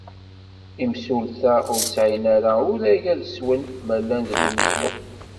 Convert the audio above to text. Imsulta ur sεin ara urag ad swen ma llan deg umeẓlu.